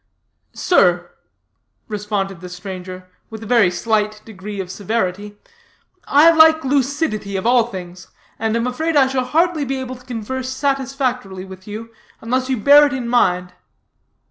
"Sir," responded the stranger, with a very slight degree of severity, "I like lucidity, of all things, and am afraid I shall hardly be able to converse satisfactorily with you, unless you bear it in mind."